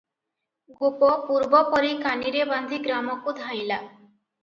ଗୋପ ପୂର୍ବପରି କାନିରେ ବାନ୍ଧି ଗ୍ରାମକୁ ଧାଇଁଲା ।